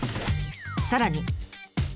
さらに。